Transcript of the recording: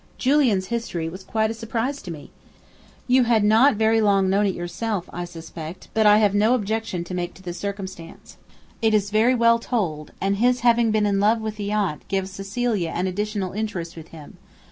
Julian's history was quite a surprise to me. You had not very long known it yourself, I suspect; but I have no objection to make to the circumstance; it is very well told, and his having been in love with the aunt gives Cecilia an additional interest with him.